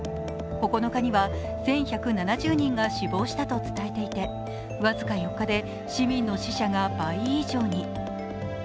９日には１１７０人が死亡したと伝えていて僅か４日で市民の死者が倍以上に。